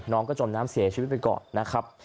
น้องก็จมน้ำเสียชีวิตไปก่อนนะครับ